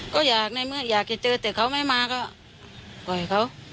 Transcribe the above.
ก็อยากในเมื่ออยากจะเจอแต่เขาไม่มาก็ปล่อยเขา